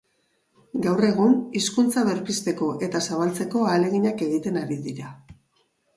Gaur egun, hizkuntza berpizteko eta zabaltzeko ahaleginak egiten ari dira.